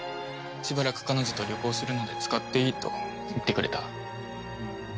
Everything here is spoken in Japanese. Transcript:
しばらく彼女と旅行するので使っていいと言ってくれた。